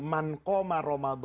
man koma ramadan